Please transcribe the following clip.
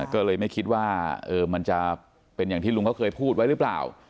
ก็เลยไม่คิดว่ามันจะเป็นอย่างที่ลุงเขาเคยพูดไว้หรือเปล่า